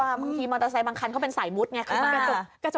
มาบางทีมอเตอร์ไซต์บางคันเขาเป็นสายมุดไงค่ะอ่า